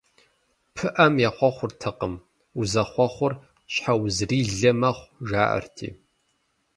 Пыӏэм ехъуэхъуртэкъым, узэхъуэхъур щхьэузрилэ мэхъу, жаӏэрти.